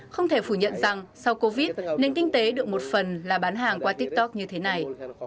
không thể phủ nhận rằng sau covid nên kinh tế được một phần là bán hàng qua tiktok như thế này